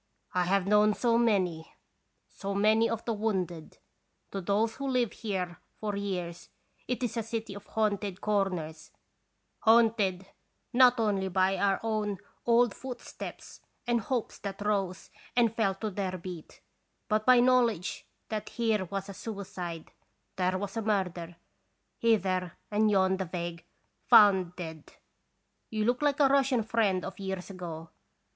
I have known so many, so many of the wounded. To those who live here for years it is a city of haunted corners, haunted not only by our own old footsteps and hopes that rose and fell to their beat, but by knowledge that here was a suicide, there a murder, hither and yon the vague " found dead." You look like a Russian friend of years ago.